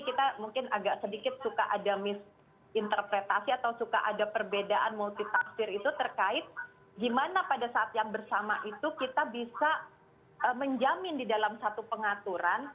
kita mungkin agak sedikit suka ada misinterpretasi atau suka ada perbedaan multitafsir itu terkait gimana pada saat yang bersama itu kita bisa menjamin di dalam satu pengaturan